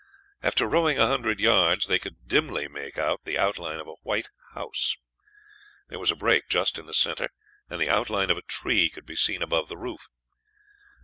After rowing a hundred yards they could dimly make out the outline of a white house. There was a break just in the center, and the outline of a tree could be seen above the roof.